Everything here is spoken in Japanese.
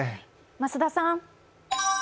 増田さん。